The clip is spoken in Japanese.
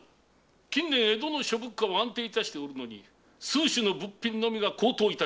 近年江戸の諸物価は安定しておるのに数種の物品のみが高騰しておる。